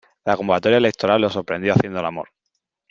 La convocatoria electoral los sorprendió haciendo el amor.